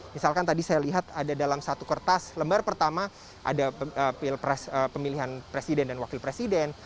misalkan tadi saya lihat ada dalam satu kertas lembar pertama ada pemilihan presiden dan wakil presiden